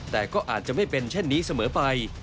แต่ก็อาจจะไม่เป็นเช่นนี้เสมอไป